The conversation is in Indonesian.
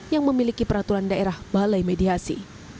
yang memiliki peraturan daerah balai mediasi